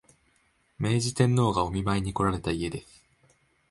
明治天皇がお見舞いにこられた家です